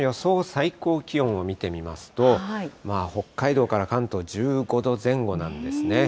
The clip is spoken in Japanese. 最高気温を見てみますと、まあ、北海道から関東、１５度前後なんですね。